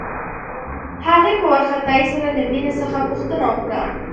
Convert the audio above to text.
هغې په وارخطايۍ سره له مينې څخه پوښتنه وکړه.